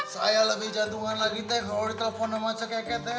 saya lebih jantungan lagi teh kalau ditelepon sama ceketi teh